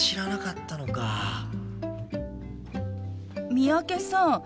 三宅さん